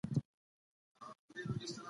ده د مخالف نظر اورېدل کمزوري نه بلله.